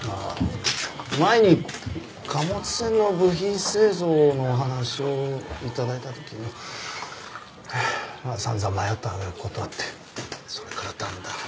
前に貨物船の部品製造のお話を頂いた時に散々迷った揚げ句断ってそれからだんだん。